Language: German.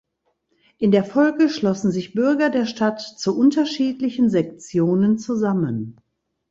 In der Folge schlossen sich Bürger der Stadt zu unterschiedlichen Sektionen zusammen.